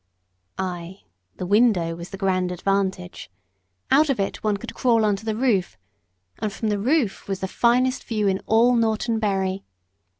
Ay, the window was the grand advantage; out of it one could crawl on to the roof, and from the roof was the finest view in all Norton Bury.